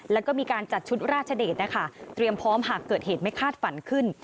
แล้วก็มีการจัดชุดราชเดชนะคะเตรียมพร้อมหากเกิดเหตุไม่คาดฝันขึ้น